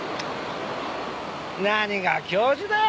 何が教授だよ